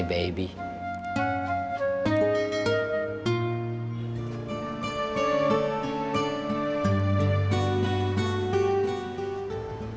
sampai jumpa lagi